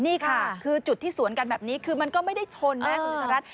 นี่ค่ะคือจุดที่สวนกันแบบนี้คือมันก็ไม่ได้ชนนะคุณจุธรัฐ